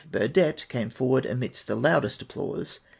BuRDETT came forward amid the loudest applause.